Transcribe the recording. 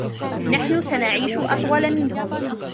نحن سنعيش أطول منهم.